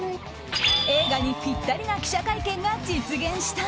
映画にピッタリな記者会見が実現した。